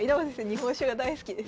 日本酒が大好きです。